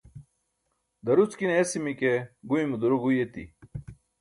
daruckine esimi ke guymo duro guyi eti